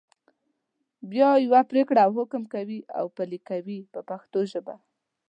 بیا یوه پرېکړه او حکم کوي او پلي یې کوي په پښتو ژبه.